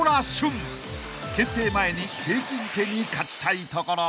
［検定前に景気づけに勝ちたいところ］